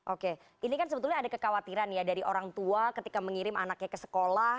oke ini kan sebetulnya ada kekhawatiran ya dari orang tua ketika mengirim anaknya ke sekolah